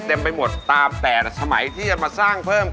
เต็มไปหมดตามแต่สมัยที่จะมาสร้างเพิ่มกัน